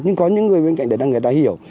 nhưng có những người bên cạnh đó người ta hiểu